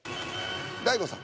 大悟さん。